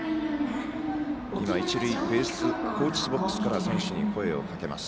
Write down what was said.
一塁ベースコーチボックスから選手に声をかけます。